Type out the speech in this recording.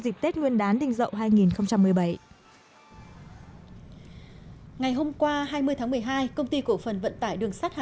dịp tết nguyên đán đình dậu hai nghìn một mươi bảy ngày hôm qua hai mươi tháng một mươi hai công ty cổ phần vận tải đường sắt hà